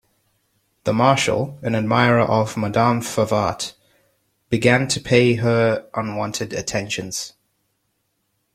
The marshal, an admirer of Madame Favart, began to pay her unwanted attentions.